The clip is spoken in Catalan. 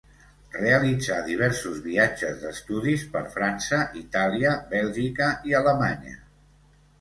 Realitzà diversos viatges d'estudis per França, Itàlia, Bèlgica i Alemanya.